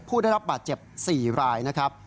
ผู้ได้รับบาดเจ็บ๔รายนะครับ